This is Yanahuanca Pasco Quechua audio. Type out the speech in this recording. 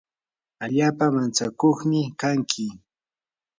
allaapa mantsakuqmi kanki.